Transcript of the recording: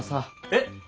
えっ！